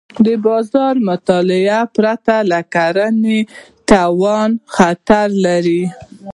د بازار مطالعې پرته کرنه د تاوان خطر لري.